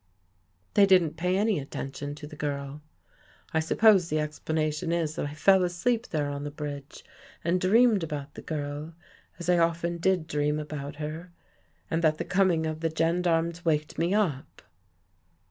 They didn't pay any attention to the girl. I suppose the explanation is that I fell asleep there on the bridge and dreamed about the girl, as I often did dream about her, and that the coming of the gendarmes waked me up."